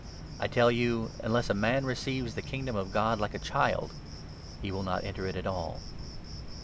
I tell you, unless a man receives the Kingdom 17 of God like a child, he will not enter it at all."